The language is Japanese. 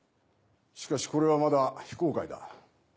しかしこれはまだ非公開だ。